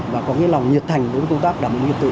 và có cái lòng nhiệt thành với công tác đảm bảo nghiệp tội